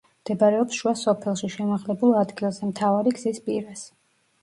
მდებარეობს შუა სოფელში, შემაღლებულ ადგილზე მთავარი გზის პირას.